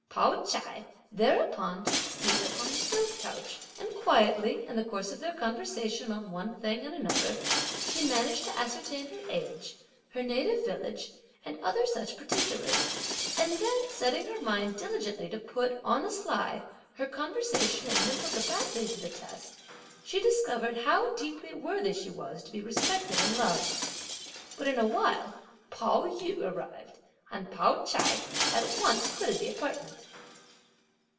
Pao ch'ai thereupon took a seat on the stove couch, and quietly, in the course of their conversation on one thing and another, she managed to ascertain her age, her native village and other such particulars, and then setting her mind diligently to put, on the sly, her conversation and mental capacity to the test, she discovered how deeply worthy she was to be respected and loved. But in a while Pao yü arrived, and Pao ch'ai at once quitted the apartment.